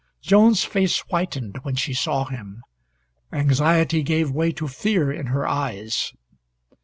Joan's face whitened when she saw him. Anxiety gave way to fear in her eyes.